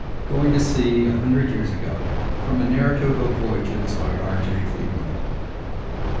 GOING TO SEA A HUNDRED YEARS AGO (From A Narrative of Voyages) By R. J. CLEVELAND.